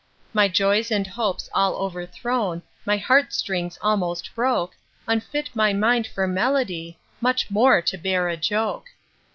My joys and hopes all overthrown, My heart strings almost broke, Unfit my mind for melody, Much more to bear a joke.